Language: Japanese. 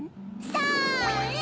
それ！